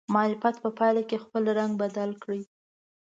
معرف په پایله کې خپل رنګ بدل کړي.